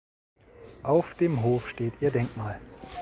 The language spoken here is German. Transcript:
Auf dem Hof steht ihr Denkmal.